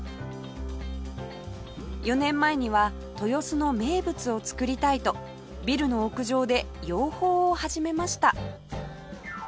４年前には豊洲の名物を作りたいとビルの屋上で養蜂を始めました